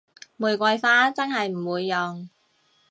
玫瑰花真係唔會用